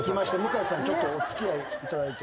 ちょっとお付き合いいただいて。